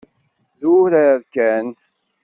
D urar kan.